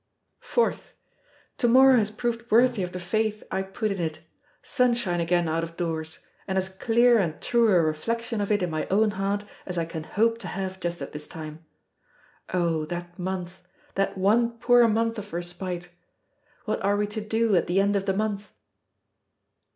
4th. To morrow has proved worthy of the faith I put in it. Sunshine again out of doors; and as clear and true a reflection of it in my own heart as I can hope to have just at this time. Oh! that month, that one poor month of respite! What are we to do at the end of the month?